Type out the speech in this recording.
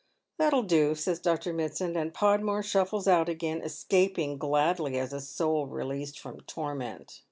" That will do," says Dr. Mitsand, and Podmore shuffles out again, escaping gladly as a soul released from torment.